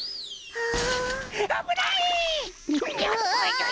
ああ？